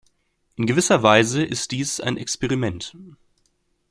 In gewisser Weise ist dies ein Experiment.